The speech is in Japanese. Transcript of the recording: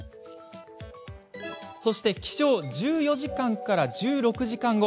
そして起床１４時間から１６時間後。